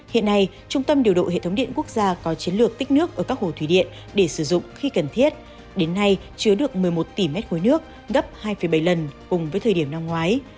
hiện nay trung tâm điều độ hệ thống điện quốc gia có chiến lược tích nước ở các hồ thủy điện để sử dụng khi cần thiết đến nay chứa được một mươi một tỷ m ba nước gấp hai bảy lần cùng với thời điểm năm ngoái